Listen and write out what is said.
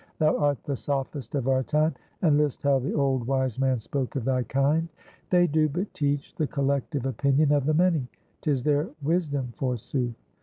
Thou art the Sophist of our time, and list how the old wise man spoke of thy kind. 'They do but teach the collective opinion of the many; 'tis their wisdom, forsooth.